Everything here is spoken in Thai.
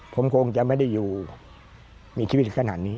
ผมคงจะไม่ได้อยู่มีชีวิตขนาดนี้